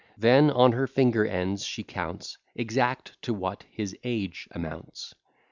Then, on her finger ends she counts, Exact, to what his age amounts.